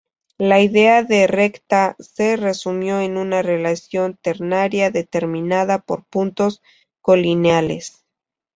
La idea de "recta" se resumió en una relación ternaria determinada por puntos colineales.